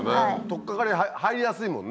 とっかかり入りやすいもんね。